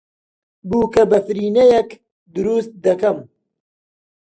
بووکەبەفرینەیەک دروست دەکەم.